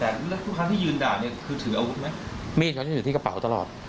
แต่แล้วทุกครั้งที่ยืนด่าเนี่ยคือถืออาวุธไหมมีดเขาจะอยู่ที่กระเป๋าตลอด